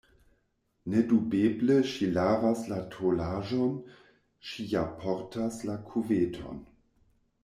Nedubeble ŝi lavas la tolaĵon, ŝi ja portas la kuveton.